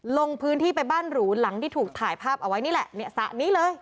ลงพื้นที่ไปบ้านหรูหลังที่ถูกถ่ายภาพเอาไว้นี่แหละเนี่ยสระนี้เลย